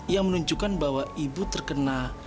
yang menunjukkan bahwa ibu terkena